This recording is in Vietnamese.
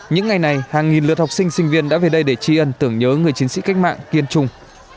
những ngày này hàng nghìn lượt học sinh sinh viên đã về đây để chi ẩn tưởng nhớ người chiến sĩ cách mạng kiên trùng